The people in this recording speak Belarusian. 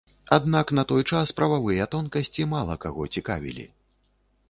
Аднак на той час прававыя тонкасці мала каго цікавілі.